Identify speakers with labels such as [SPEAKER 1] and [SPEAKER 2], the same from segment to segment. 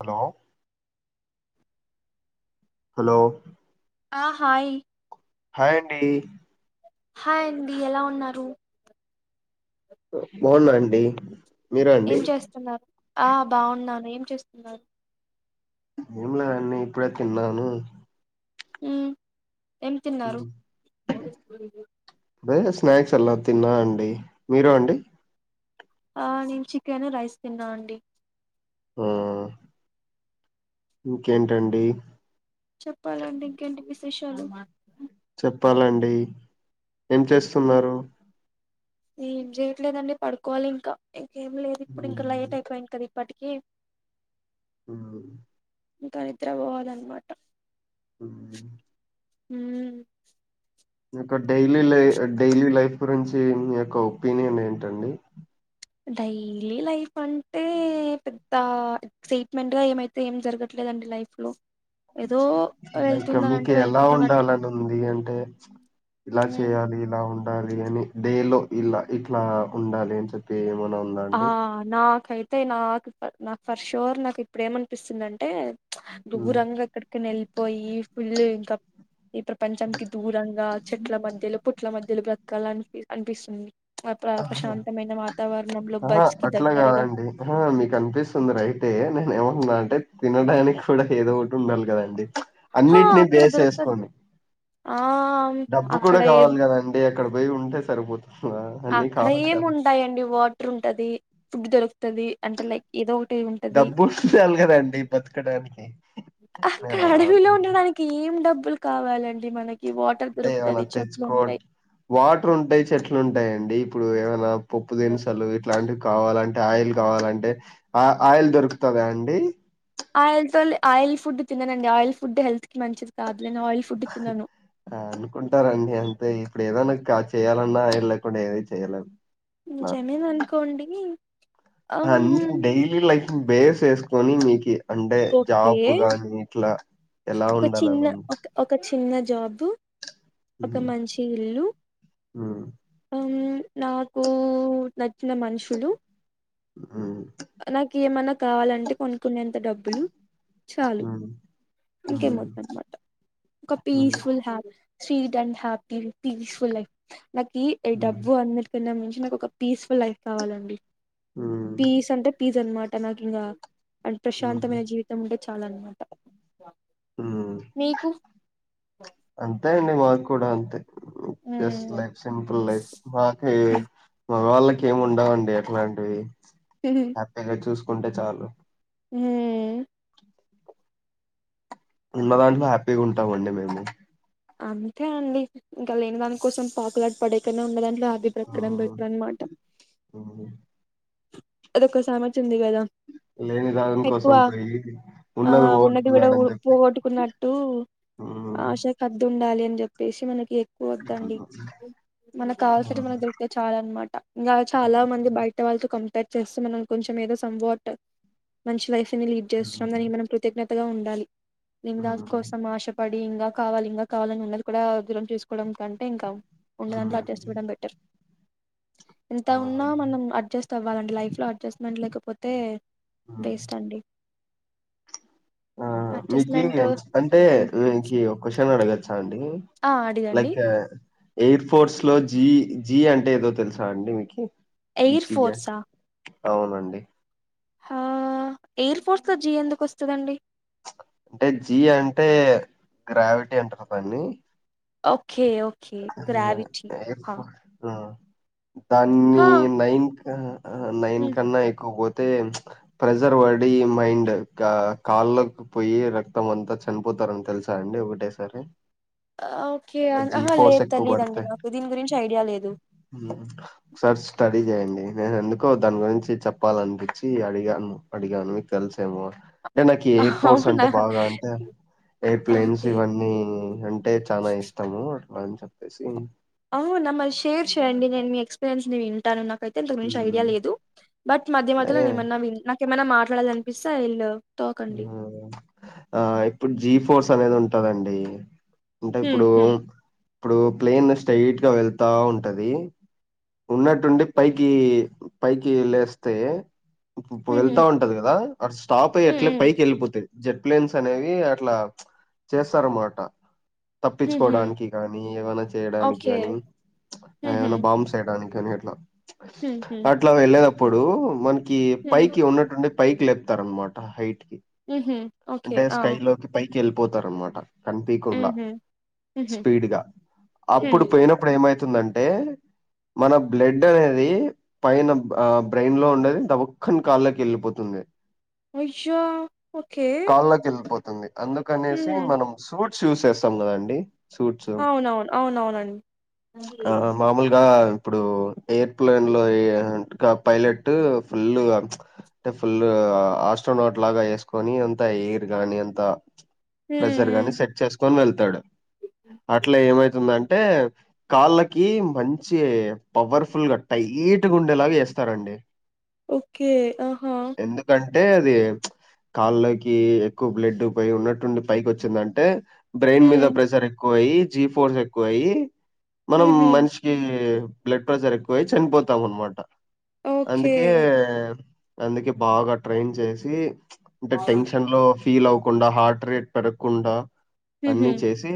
[SPEAKER 1] Hello hello
[SPEAKER 2] ఆ hi
[SPEAKER 1] hi అండి.
[SPEAKER 2] Hi అండి ఎలా ఉన్నారు.
[SPEAKER 1] బావున్నా అండి. మీరా అండి
[SPEAKER 2] ఏం చేస్తున్నారు ఆ బాఉన్నాను ఏం చేస్తున్నారు
[SPEAKER 1] ఏమిలా అంన్ని ఇప్పుడే తిన్నాను.
[SPEAKER 2] హు ఏం తిన్నారు.
[SPEAKER 1] అదే స్నాక్స్ అలా తిన్నా అండి, మీరు అండి.
[SPEAKER 2] ఆ నేను చికెన్, రైస్ తిన్నా అండి.
[SPEAKER 1] ఆ, ఇంకేంటండి.
[SPEAKER 2] చెప్పాలండి ఇంకేంటి విస్ విషాలు
[SPEAKER 1] చెప్పాలండి. ఏం
[SPEAKER 2] మ్మ్,
[SPEAKER 1] చేస్సున్నారు.
[SPEAKER 2] ఏం జేయట్లేదండి పడుకోవాలింక ఏం లేదు ఇప్పుడు ఇంకా లైట్ అయిపోయింది కద ఇ ఇప్పటికి
[SPEAKER 1] ఉ
[SPEAKER 2] ఇంకా నిద్ర పోవలన్న్ మాట
[SPEAKER 1] హ్
[SPEAKER 2] హు
[SPEAKER 1] నీయొక్క డైలీ లై డైలీ లైఫ్ గురించి మీ యొక్క ఒపీనియన్ ఏంటండి.
[SPEAKER 2] డైలీ లైఫ్ అంటే పెద్ద ఎక్సైట్మెంట్ గా ఏమైతే ఏం జరగట్లేదండి లైఫ్ లో ఏదో
[SPEAKER 1] లైక్ మీకు
[SPEAKER 2] వెళ్తున్నానంటే
[SPEAKER 1] ఎలా
[SPEAKER 2] వెళ్తున్నానట్టు
[SPEAKER 1] ఉండాలని ఉంది అంటే ఇలా
[SPEAKER 2] మ్మ్
[SPEAKER 1] చేయాలి ఇలా ఉండ ఉండాలి అని డే లో ఇలా ఇట్ల ఉండాలి అని చెప్పి ఏమైనా ఉందా
[SPEAKER 2] ఆ
[SPEAKER 1] అండి
[SPEAKER 2] నాఖైత్ తే నాక్ ఫర్ నాకు ఫర్ షోర్ నాకు ఇప్పుడు ఏమనిపిస్తుంది అంటే దూరంగ ఎక్కడికి వెళ్ళిపోయి ఫుల్ ఇంకా ఈ ప్రపంచానికి దూరంగా చెట్ల మధ్యలో పుట్ల మధ్యలో బ్రతకాలని అనిపి అనిపిస్తుంది అ ప్ర ప్రశాంతమైన వాతావరణంలో
[SPEAKER 1] ఆహా
[SPEAKER 2] బజ్ కి
[SPEAKER 1] అట్లా
[SPEAKER 2] దగ్గరగా
[SPEAKER 1] కాదండి హా మీకు అనిపిస్తుంది రైటె నేను ఏమంటన్నాం అంటే తినడానికి కూడా ఏదో ఒకటి ఉండాలి కదండి
[SPEAKER 2] హా
[SPEAKER 1] అన్నిటిని
[SPEAKER 2] అక్కడ దొరుకుతది
[SPEAKER 1] బేసేసుకొని
[SPEAKER 2] ఆ
[SPEAKER 1] డబ్బు కూడ
[SPEAKER 2] అక్కడ ఏ
[SPEAKER 1] కావాలి కదండి అక్కడ పొయి ఉంటే సరిపోత
[SPEAKER 2] అక్కడ ఏమి ఉంటాయండి వాట్ర్ ఉంటది ఫుడ్ దొరుకుతది అంటే లైక్ ఏదో ఉంటి ఉంటది
[SPEAKER 1] డబ్బు ఉండాలి కదండి బతకడానికి
[SPEAKER 2] అక్కడ
[SPEAKER 1] నేను అలా
[SPEAKER 2] అడవిలో
[SPEAKER 1] అంటున్నా
[SPEAKER 2] ఉండడానికి ఏం డబ్బులు కావాలండి మనకి వాటర్
[SPEAKER 1] అంటే ఏమైనా
[SPEAKER 2] దొరుకుతది చెట్లు
[SPEAKER 1] తెచ్చుకో
[SPEAKER 2] ఉంటాయి
[SPEAKER 1] వాటర్ ఉంటయి చెట్లు ఉంటా ఉంటాయండి ఇప్పుడు ఏమైనా పుప్పు దిన్ సలు ఇట్లాంటి కావాలంటే ఆయిల్ కావాలంటే ఆ ఆయిల్ దొరుకుతదా అండి
[SPEAKER 2] ఆయిల్ తోలె ఆయిల్ ఫుడ్ తిననండి ఆయిల్ ఫుడ్ హెల్త్ కి మంచిది కాదు నేను ఆయిల్ ఫుడ్ తినను
[SPEAKER 1] అహ్ అనుకుంటారండి అంతే ఇప్పుడు ఏదనా ఇక చేయ్యాలన్నా ఈయన లేకుండా ఏది చేయ్యాలదు
[SPEAKER 2] జమిన్ అన్కోడిగి
[SPEAKER 1] ఆ అన్ని డైలీ లైఫ్ బేస్ చేసుకొని మీకి అంటె
[SPEAKER 2] ఓకే
[SPEAKER 1] జాబ్ గాని ఇట్లా ఎలా
[SPEAKER 2] ఒక చిన్న
[SPEAKER 1] ఉండాలనిందు
[SPEAKER 2] ఒక ఒక చిన్న జాబు ఒక మంచి ఇల్లు
[SPEAKER 1] హ్మ్
[SPEAKER 2] ఉమ్ నాకూ నచ్చిన మనుషులు
[SPEAKER 1] ఉమ్
[SPEAKER 2] నాకు ఏమన్న కావాలంటే కొనుకునేంత డబ్బులు
[SPEAKER 1] అ
[SPEAKER 2] ఇంకేమ్ వద్దందన్నమాట ఒక
[SPEAKER 1] హ్మ్
[SPEAKER 2] పీస్ఫుల్ హ్యాప్ sweet and happy peaceful life నాకి ఎ
[SPEAKER 1] హ్మ్
[SPEAKER 2] డబ్బు అందరికన్నా మ నాకు ఒక పీస్ లైఫ్ కావాలండి
[SPEAKER 1] హ్మ్
[SPEAKER 2] పీస్ ఇది అనమాట నాకు ఇంకా అ
[SPEAKER 1] హ్మ్
[SPEAKER 2] ప్రశాంతమైన జీవితం ఉండే చాలా అన్నమాట
[SPEAKER 1] మ్మ్ అంతే అండి మా కూడా అంతే ఎస్ట్
[SPEAKER 2] మ్మ్
[SPEAKER 1] లైఫ్ సింపుల్ లైఫ్ మాక మా వాళ్ళకి ఏమి ఉండవండి అట్లాంటివి హ్యాపీగా చూస్ ఉంటేచాలు
[SPEAKER 2] మ్మ్
[SPEAKER 1] ఉన్న దాంట్లో హ్యాపీగా ఉంటది తామండి మేము
[SPEAKER 2] అంతే అండి ఇంకా లేని దాని కోసం పాకులాట్ పడేకన్న ఉన్న దానిక్ ాది ప్రకడం
[SPEAKER 1] హ్మ్
[SPEAKER 2] పెకడ మాట
[SPEAKER 1] హ్మ్
[SPEAKER 2] అదొక సామా తుంది కదా
[SPEAKER 1] లేని దాని
[SPEAKER 2] ఎక్కువ
[SPEAKER 1] కోసం పోయి
[SPEAKER 2] ఆ
[SPEAKER 1] ఉన్నది
[SPEAKER 2] ఉన్నదివిడ
[SPEAKER 1] పోగొట్టుకున్నాడని చెప్పి
[SPEAKER 2] గొట్టుకున్నట్టు
[SPEAKER 1] మ్మ్
[SPEAKER 2] ఆశకి హద్దుండాలి అ అని చెప్పేసి మనకి వద్దండి మనకు కావాల్సంట మన దొరితే చాల అనమాట ఇంకా చాలా మంది బయట వాళ్ళతో కంపట్ చేస్తూ మనం కొంచామేదో సమ్ వాట్ మంచి వైఫ్ లీడ్ చేస్తున్నాంని మన కృతఙ్ఞత కొత్తగా ఉండాలి ని దా కోసం ఆశపడి ఇంగా కావాలి ఇంకా కావాలని ఉన్నది కూడా దూరం చూసుకోవడం కంటే ఇంకా ఉండు దాంట్లో అడ్జస్ట్ ఇవ్వడం బెటర్ ఎంత
[SPEAKER 1] ఆ
[SPEAKER 2] ఉన్నా మనం అడ్జస్ట్ వ్వాలంటే లైఫ్ లో అడ్జస్ట్మెంట్ లేకపోతే
[SPEAKER 1] ఉమ్.
[SPEAKER 2] వేస్ట్ అండి
[SPEAKER 1] ఆ మీకు
[SPEAKER 2] అడ్జస్ట్మెంట్
[SPEAKER 1] అంటే మీకు ఒక క్వశ్చన్ అడగచ్చా అండి
[SPEAKER 2] ఆ అడిగండి
[SPEAKER 1] లైక్ ఎయిర్ ఫోర్స్ లో జీ జీ అంటే ఏదో తెలుసా అండి మీకి
[SPEAKER 2] ఎయిర్
[SPEAKER 1] జీ అ-
[SPEAKER 2] ఫోర్సా
[SPEAKER 1] అవునండి
[SPEAKER 2] ఆ ఎయిర్ ఫోర్స్ తో జి ఎందుకు వస్తదండి
[SPEAKER 1] అంటే జీ అంటే గ్రావిటీ అంటరు దాన్ని
[SPEAKER 2] ఓ
[SPEAKER 1] ఆహా ఎయిర్
[SPEAKER 2] హా
[SPEAKER 1] ఫోర్ ఆ దాన్ని
[SPEAKER 2] హా
[SPEAKER 1] లైన్ కు ఆ ఆ లైన్
[SPEAKER 2] ఉమ్,
[SPEAKER 1] కన్నా ఎక్కువ పో అయితే ప్రెజర్ పడి మైండ్ కాళ్ళకి పోయి రక్తం అంతా చనిపోతారని తెలుసా అండి ఒకటే సారి
[SPEAKER 2] ఆ ఓకే
[SPEAKER 1] జీ
[SPEAKER 2] ఆహా
[SPEAKER 1] ఫోర్స్
[SPEAKER 2] లేదు
[SPEAKER 1] ఎక్కువ
[SPEAKER 2] తెలీదండి
[SPEAKER 1] పడుతే
[SPEAKER 2] నాకు దీని గురించి ఐడియా లేదు
[SPEAKER 1] ఒక సారి స్టడీ చేయండి నేను ఎందుకో దాని గురించి చెప్పాలనిపించి అడిగాను అడిగాను మీకు తెలుసేమో అంటే నాకు ఈ ఎయిర్ ఫోర్స్ అంటే
[SPEAKER 2] అవునా
[SPEAKER 1] బాగా అంటే ఎయిర్ ప్లేన్స్
[SPEAKER 2] ఓకే
[SPEAKER 1] ఇవన్నీ అంటే చాలా ఇష్టం అట్లా అని చెప్పేసి
[SPEAKER 2] అవునా మరి షేర్ చేయండి నేను మీ ఎక్స్పీరియన్స్ ని వింటాను నాకు అయితే దాని గురించి ఐడియా
[SPEAKER 1] ఉమ్.
[SPEAKER 2] లేదు బట్ మధ్య
[SPEAKER 1] అంటే
[SPEAKER 2] మధ్యలో ఏమన్నా విన్ నాకేమన్నా మాట్లాడలి అని విసా ఇలు
[SPEAKER 1] ఆ ఇప్పుడు జీ ఫోసు అనేది ఉంటదండి అంటే
[SPEAKER 2] హ్మ్
[SPEAKER 1] ఇప్పుడు
[SPEAKER 2] హ్మ్
[SPEAKER 1] ఇప్పుడు ప్లేన్ స్ట్రైట్ గా వెళ్తా ఉంటది ఉన్నట్టుండి పైకి పైకి లేస్తే ఇప్పుప్పు
[SPEAKER 2] హుహు.
[SPEAKER 1] వెళ్తా ఉంటది కదా అడ స్టాప్ అయ్యి
[SPEAKER 2] హ్మ్
[SPEAKER 1] ఎట్లే
[SPEAKER 2] హ్మ్.
[SPEAKER 1] వెపోతాయి జెట్ ప్లేన్స్ అనేవి అట్లా చేస్తారనమాట
[SPEAKER 2] హుహు.
[SPEAKER 1] తప్పించుకోవడానికి గానీ ఏమైనా చేయడానికి
[SPEAKER 2] ఓకే.
[SPEAKER 1] గానీ
[SPEAKER 2] హుహు.
[SPEAKER 1] ఏమైనా బాంబ్స్ ఏయడానికి గదే అట్ల
[SPEAKER 2] హుహు.
[SPEAKER 1] అట్లా వెల్లే దం ఇప్పుడు మన కి
[SPEAKER 2] హ్మ్.
[SPEAKER 1] పైకి ఉన్నట్టుండే పైకి లే తరన్మాట హైట్ కి
[SPEAKER 2] ఉహు
[SPEAKER 1] అంటే స్కైలోకి పై కేళిపోతారన్మాట కనిపికుండా
[SPEAKER 2] హుహు. హుహు.
[SPEAKER 1] స్పీడ్ గా అప్పుడు
[SPEAKER 2] హ్మ్.
[SPEAKER 1] పోయినప్పుడు ఏమైతే తుందంటే మన బ్లడ్ అనేది పైన బ్రెయిన్ లో ఉండేది దబుక్కన కాళ్ళకి ఎళ్ళిపోతుంది
[SPEAKER 2] ఆయ్యో
[SPEAKER 1] కాళ్ళకేల్ పో తన్ని అందుకనేసి
[SPEAKER 2] హ్మ్.
[SPEAKER 1] మనం సూట్ చూసేస్తాం కదండి సూట్స్
[SPEAKER 2] అవునవును. అవునవునండి. హ్మ్.
[SPEAKER 1] ఆ మామూలుగా ఇప్పుడు ఎయిర్ ప్లేన్ లో ఏ హ్ పైలట్ ఫుల్ గా అంటే ఫుల్ ఆస్ట్రోనోట్ లాగా వేసుకొని ఎయిర్ గాని అంత ప్రెజర్ గాని
[SPEAKER 2] హ్మ్.
[SPEAKER 1] సెట్ చేసు తొన్ వెళ్తాడు అట్లా ఏమైతుందంటే అంటే కాళ్ళకి మంచి పవర్ఫుల్ గా టైట్ గుండెలాగా వేస్తారండి
[SPEAKER 2] ఓకే ఆహా
[SPEAKER 1] అంటే అది కాళ్ల కి ఎక్కువ బ్లడ్ పోయ్ ఉన్నటుండి పైకి వచ్చిందంటే బ్రెయిన్ మీద
[SPEAKER 2] హ్మ్.
[SPEAKER 1] ప్రెషర్ ఎక్కువ వయి జీ ఫోర్స్ ఎక్కువయి మనం
[SPEAKER 2] హుహు.
[SPEAKER 1] మనిషికి బ్లడ్ ప్రెషర్ ఎక్కువై చనిపోతాం అన్నమాట
[SPEAKER 2] ఓకే.
[SPEAKER 1] అందుకే అందుకే బాగా ట్రైన్ చేసి టెన్షన్లో ఫీల్ అవ్వకుండా హార్ట్ రేట్ పెరగకుండా
[SPEAKER 2] హుహు.
[SPEAKER 1] అన్నీ చేసి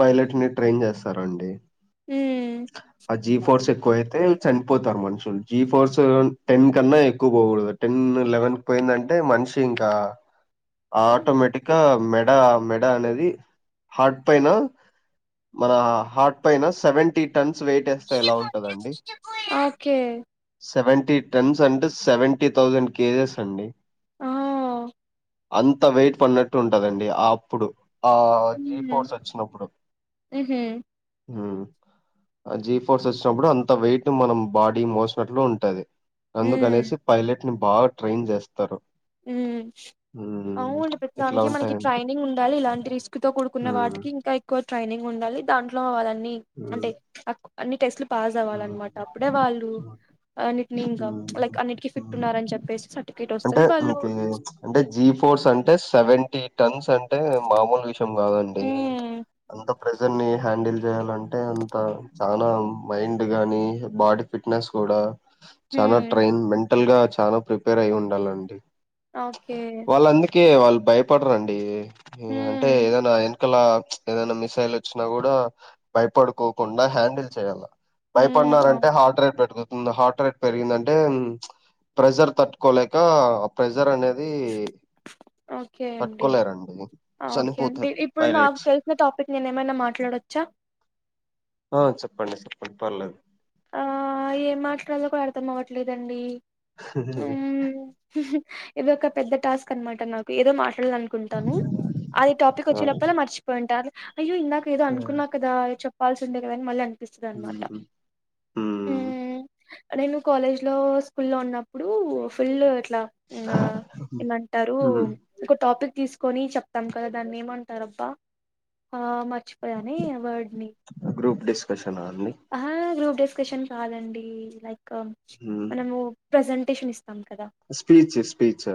[SPEAKER 1] పైలట్ ని ట్రైన్ చేస్తారండి
[SPEAKER 2] హ్మ్
[SPEAKER 1] ఆ జి ఫోర్స్ ఎక్కవ అయితే చనిపోతారు మనుషులు జీ ఫోర్స్ టెన్ కన్న ఎక్కువ పోగుడదు టెన్ లెవెన్ పోయిందంటే మనిషి ఇంకా ఆటోమేటిక్ గా మెడ మెడ అనేది హార్ట్ పైన మన హార్ట్ పైన సేవేంటీ టన్స్ వెయిట్ ఏస్తే ఎలా ఉంటదండీ
[SPEAKER 2] ఓకే
[SPEAKER 1] సెవెంటీ టెన్స్ అంటే సేవేంటి థౌసండ్ కేజిస్ అండి
[SPEAKER 2] ఆ
[SPEAKER 1] అంత వెయిట్ పడినట్టు ఉంటదండీ ఆ అప్పుడు ఆ జీ
[SPEAKER 2] హ్మ్
[SPEAKER 1] ఫోర్స్ వచ్చినప్పుడు
[SPEAKER 2] ఉహూ
[SPEAKER 1] ఉ జీ ఫోర్స్ వచ్చినప్పుడు అంత వెయిట్ మనం బాడీ మోసినట్లు ఉంటది
[SPEAKER 2] హ్మ్
[SPEAKER 1] అందుకనేసి పైలట్ ని బాగా ట్రైన్ చేస్తారు
[SPEAKER 2] అవునండి
[SPEAKER 1] ఇట్లా
[SPEAKER 2] ప్రతీదానికి మనకి
[SPEAKER 1] ఉంటాయండి.
[SPEAKER 2] ట్రైనింగ్ ఉండాలి ఇలాంటి రిస్క్ తో కూడుకున్న
[SPEAKER 1] హ్మ్.
[SPEAKER 2] వాటికి ఇంకా ఎక్కువ ట్రైనింగ్ ఉండాలి దాంట్లో అవ్వాల నీ అంటే
[SPEAKER 1] హ్మ్.
[SPEAKER 2] అన్ని టెస్ట్లు పాస్ అవ్వాలన్నమాట
[SPEAKER 1] హ్మ్.
[SPEAKER 2] అప్పుడే వాళ్ళు
[SPEAKER 1] హ్మ్.
[SPEAKER 2] అన్నిటిని ఇంకా
[SPEAKER 1] హ్మ్.
[SPEAKER 2] లైక్ అన్నిటికీ ఫిట్ ఉన్నారని చెప్పేసి సర్ ర్టిఫికెట్ వస్తది వాళ్ళు
[SPEAKER 1] మీకీ అంటే జి ఫోర్స్ అంటే సెవెంటీ టన్స్ అంటే మామూలు విష అంటే మాలాంటి
[SPEAKER 2] హ్మ్
[SPEAKER 1] అంత ప్రెజర్ ని హ్యాండిల్ చేయాలంటే అంత చానా వైన్డ్ గానీ బాడీ ఫిట్నెస్ కూడా చనా
[SPEAKER 2] హ్మ్
[SPEAKER 1] ట్రైన్ మెన్ టల్ గా చాలా ప్రిపేర్ అయి ఉంది డాలండి
[SPEAKER 2] ఓకే
[SPEAKER 1] కే వాళ్ళు భయపడరండి అంటే
[SPEAKER 2] హ్మ్
[SPEAKER 1] ఏదైనా అయిన ఒకేలా ఏదైనా మిసైల్ వచ్చినా కూడా భయపడుకోకుండా హ్యాండిల్ చేయాలా
[SPEAKER 2] హ్మ్ ఓహ్!
[SPEAKER 1] భయపడినారంటే హార్ట్ రేట్ పెరుగుది ఇంద హార్ట్ రేట్ పెరిగిందంటే ప్రెషర్ తట్టుకోలే కా ఆ ప్రెజర్ అనేది
[SPEAKER 2] ఓకే అండి
[SPEAKER 1] పట్టుకోలేరండి
[SPEAKER 2] ఓకే అండి
[SPEAKER 1] చనిపోతారు
[SPEAKER 2] ఇప్పుడు నాకు
[SPEAKER 1] పైలట్స్
[SPEAKER 2] తెలిసిన టాపిక్ నేను ఏమైనా మాట్లాడచ్చా
[SPEAKER 1] ఆ చెప్పండి చెప్పండి పర్లేదు
[SPEAKER 2] ఆ ఏం మాట్లాలో కూడా అర్థం అవట్లేదండి ఇది ఒక పెద్ద టాస్క్ అనమాట నాకు ఏదో మా ట్లాడాలనుకుంటాను అది టాపిక్
[SPEAKER 1] ఆ
[SPEAKER 2] వచ్చేలోపుల మర్చిపోయున్ టా అయ్యో ఇందక ఏదో అనుకున్నా కదా చెప్ ఫాల్స్ ఉంటై కదండి మల్లన్ ఇస్తాద్ అన్నమాట
[SPEAKER 1] మ్మ్
[SPEAKER 2] ఉమ్ నేను కాలేజ్ లో స్కూల్ లో ఉన్నప్పుడు ఫుల్ ఇలా ఆ ఏమంటారు
[SPEAKER 1] మ్మ్
[SPEAKER 2] ఒక టాపిక్ తీసుకొని చెప్తాం కదా దాన్ని ఏమంటారుబ్బా ఆ మర్చిపోయానే వోర్డ్ని
[SPEAKER 1] గ్రూప్ డిస్కషన్ అంతేనా అండి
[SPEAKER 2] డిస్కషన్ కాదండీ లైక్ కం మనమూ ప్రెజంటేషన్ ఇస్
[SPEAKER 1] స్పీచ్స్స్ చా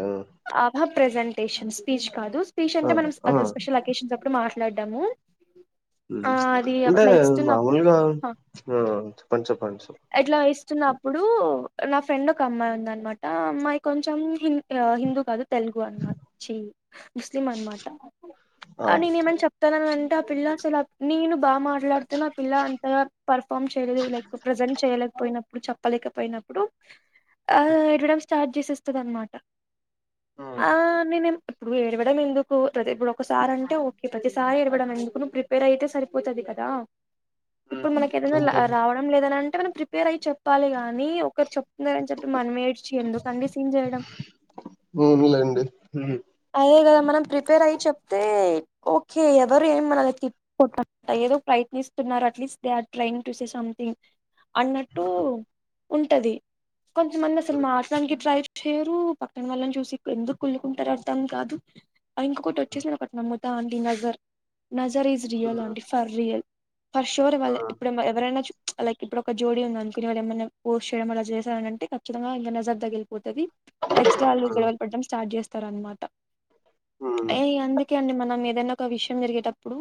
[SPEAKER 2] ప్రెజెంటేషన్స్ స్పీచ్ కాదు. స్పీచ్ అంటే మనం
[SPEAKER 1] ఆ
[SPEAKER 2] ఒక స్పెషల్ అకేషన్స్ అప్పుడు మాట్ లడ్డమూ
[SPEAKER 1] ఉమ్ అంటే
[SPEAKER 2] ఇస్తున్నప్పుడు
[SPEAKER 1] మామూలుగా
[SPEAKER 2] హ
[SPEAKER 1] ఆ చెప్పండి చెప్పండి చెప్పం
[SPEAKER 2] ఇట్లా ఇస్తున్నప్పుడు నా ఫ్రెండ్ ఒక అమ్మాయి ఉంద అనమాట. అమ్మాయి కొంచెం హింద్ ఆ హిం దు కాదు. తెలుగు అన్మాట్ ఛీ ముస్లిం అన్మాట. ఆ నేన్ ఏమన్ చెప్తానన్ని ఆ పిల్లా అసలా నేను బాగా మాట్లాడుతునా ఆ పిల్లా అంతగా పర్ఫామ్ చేయలేదు లైక్ ప్రజెంట్ చేయలేకపోయిన ఇప్పుడు చెప్పలేకపోయినప్పుడు, ఆ ఏడవడం స్టార్ట్ చేసేస్తది అన్మాట.
[SPEAKER 1] మ్మ్
[SPEAKER 2] ఆ నేనెమ్ ఇప్పుడూ ఏడవడం ఎందుకూ. ఇప్పుడు ఒకసారి అంటే ఓకే ప్రతీస్ సారి ఏడవడం ఎందుకు నువ్వు ప్రిపేర్ అయితే సరిపోతది కదా. ఇప్పుడు
[SPEAKER 1] మ్మ్
[SPEAKER 2] మనకి ఏదైనా
[SPEAKER 1] అంతే
[SPEAKER 2] రావడం లేదని అం అంటే మనం ప్రిపేర్ అయి చెప్పాలి గానీ, ఒకరు చెప్తున్నారని చెప్పి మనం ఏడ్చి ఎందుకండీ సీన్ చేయడం.
[SPEAKER 1] పోనీలెండి హుం
[SPEAKER 2] అదే కదా మనం ప్రిపేర్ అయి చెప్తే. ఓకే ఎవరు ఏం మనల్నీ తిప్ [inaudible] ఏదో ప్రయత్నిస్తున్నారు at least they are trying to say something. అన్నట్టూ
[SPEAKER 1] మ్మ్
[SPEAKER 2] ఉంటది కొందమంది అసలు మాట్లానికి ట్రై చేయరూ పక్కన వాళ్ళని చూసి ఎందుకు కుళ్లుకుంటరు అర్ధ్ ర్థం కాదు. ఇంకొకటి వచ్చేసి నేన్ ఒకటి నమ్ముతా అండి నజర్ నజర్ ఈస్ రియల్
[SPEAKER 1] మ్మ్
[SPEAKER 2] అండి ఫర్ రియల్ ఫర్ షూర్ వాళ్ళ
[SPEAKER 1] మ్మ్
[SPEAKER 2] ఇప్పుడమ ఎవరైనా చు ప్చ్ లైక్ ఇప్పుడు ఒక జోడీ ఉంది అనుకుని వాళ్ళ ఏమన్నా పోస్ట్ చేయడం అలా చేశారని అంటే ఖచ్చితంగా ఇంగ నజర్ తగిలి పోతది. నెక్స్ట్ ఆళ్ళు గడవలు పడడం స్టార్ట్ చేస్త తరు అన్మాట్
[SPEAKER 1] మ్మ్
[SPEAKER 2] ట ఎ అంది ఓకే అండి మనం ఏదైనా ఒక విషయం జరిగేటప్పుడు.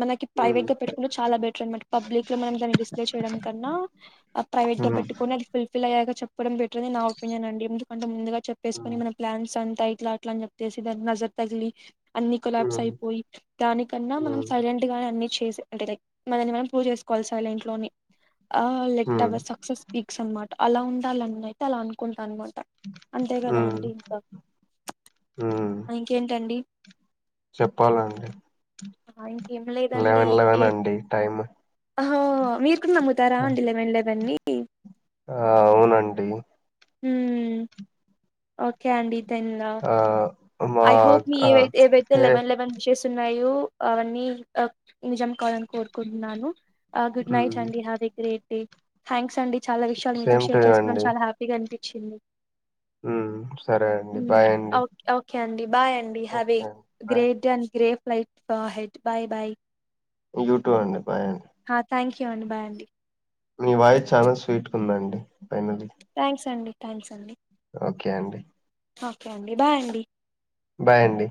[SPEAKER 2] మనకి
[SPEAKER 1] మ్మ్
[SPEAKER 2] ప్రైవేట్ గా పెట్టుకు చాలా బెటర్ అనమాట. పబ్లిక్ లో మనం దాన్ని డిస్ప్లే చేయడం కన్నా, ప్రైవేట్ గా పెట్టుకొని అది ఫుల్ ఫిల్ అయ్యాక చెప్పడం బెటర్ నా ఒపీనియన్ అండి. ఎందుకంటే ముందుగా చెప్పేసుకుని మన ప్లాన్స్ అంతా ఇట్లా, అట్ల అని చెప్ప తేసిధా నజర్ తగలి అన్ని కొలాబ్స్
[SPEAKER 1] మ్మ్
[SPEAKER 2] అయిపోయి, దానికన్నా మనం
[SPEAKER 1] మ్మ్
[SPEAKER 2] సైలెంట్ గా అన్ని [unintelligible] అంటే లైక్ మనల్ని మనం ప్రూవ్ చేసుకోవాల్సి అ ఇంట్లోని. ఆ
[SPEAKER 1] మ్మ్
[SPEAKER 2] లెక్ట్వర్ సక్సెస్ పీక్స్ అన్మా అలా ఉండాలని అనితే అలా అనుకుంటా అనమాట అంతే కదా
[SPEAKER 1] ఉమ్
[SPEAKER 2] అండి ఇంకా.
[SPEAKER 1] ఉమ్
[SPEAKER 2] ఇంకేటి అండి
[SPEAKER 1] చెప్పాలండి
[SPEAKER 2] ఇంకేం
[SPEAKER 1] లెవెన్ లెవెన్ అండి టైమ్
[SPEAKER 2] అహ మీ నమ్ముతారా అండి లేవం లేవన్నీ
[SPEAKER 1] ఆ అవునండి
[SPEAKER 2] హుమ్ ఓకే ఆండి తేన్నా
[SPEAKER 1] ఆ మా
[SPEAKER 2] ఐ హోప్ మీ
[SPEAKER 1] ఆ
[SPEAKER 2] ఏ ఏవైతే
[SPEAKER 1] అంటే
[SPEAKER 2] లెన్ లెవెన్ చేసున్న అయ్యో అవన్నీ అ నిజం అవాలని కోరుకుంటున్నాను గుడ్
[SPEAKER 1] ఉమ్
[SPEAKER 2] నైట్ అండి have a great day. Thanks అండి చాలా విషయాలు మీతో
[SPEAKER 1] సేమ్
[SPEAKER 2] షేర్ చేసుకోవడం చాల హ్యాపీగా అండి చిన్న
[SPEAKER 1] ఉ సరే అండి బాయ్ అండి.
[SPEAKER 2] ఓకే ఓకే అండి బాయ్ అండి హవె
[SPEAKER 1] ఓకే అండి బాయ్
[SPEAKER 2] గ్రేట్ అండ్ గ్రేట్ ఫలైట్ ఫ హెడ్ బాయ్ బాయ్
[SPEAKER 1] యూట్యూబ్ అండి బై అండి.
[SPEAKER 2] ఓకే అండి బాయండి
[SPEAKER 1] మీ వాయిస్ చాలా స్వీట్ కుందండి.
[SPEAKER 2] థాంక్స్ అండి. థ్యాంక్స్ అండి.
[SPEAKER 1] ఓకే అండి
[SPEAKER 2] ఓకే అండి బాయ్ అండి
[SPEAKER 1] బాయ్ అండి